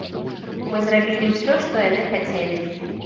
Мы зрабілі ўсё, што яны хацелі.